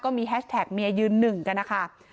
มีแฮชแท็กเมียยืนหนึ่งกันนะคะ